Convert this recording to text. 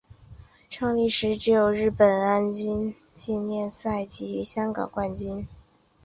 创立初时只有的日本安田纪念赛及香港冠军一哩赛两关。